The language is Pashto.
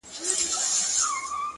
• څه عجيبه جوارگر دي اموخته کړم؛